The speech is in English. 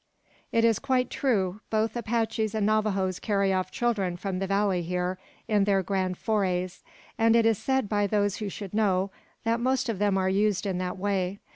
"It is quite true; both Apaches and Navajoes carry off children from the valley, here, in their grand forays; and it is said by those who should know, that most of them are used in that way.